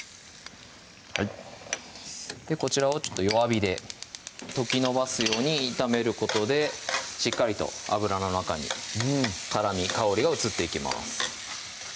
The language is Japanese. こちらをちょっと弱火で溶きのばすように炒めることでしっかりと脂の中に辛み・香りが移っていきます